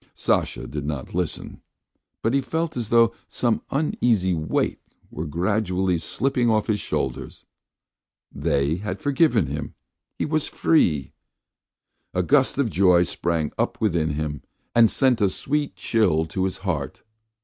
Sasha did not listen, but felt as though some uneasy weight were gradually slipping off his shoulders. They had forgiven him; he was free! A gust of joy sprang up within him and sent a sweet chill to his heart.